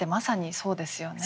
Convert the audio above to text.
そうですよね。